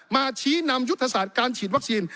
ชี้นำยุทธศาสตร์การฉีดวัคซีน